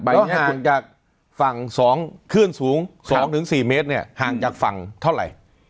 ใบนี้ห่างจากฝั่งสองขึ้นสูงสองถึงสี่เมตรเนี่ยห่างจากฝั่งเท่าไหร่